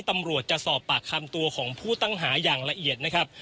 ตำรวจจะสอบปากคำตัวของผู้ต้องหาอย่างละเอียดนะครับ